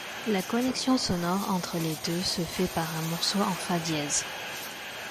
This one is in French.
La connexion sonore entre les deux se fait par un morceau en fa dièse.